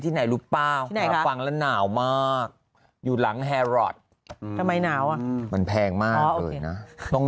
ไหนรู้เปล่าฟังแล้วหนาวมากอยู่หลังแฮรอททำไมหนาวอ่ะมันแพงมากเลยนะ